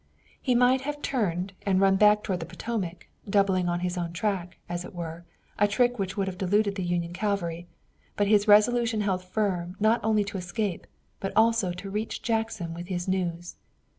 He might have turned and run back toward the Potomac, doubling on his own track, as it were, a trick which would have deluded the Union cavalry, but his resolution held firm not only to escape, but also to reach Jackson with his news.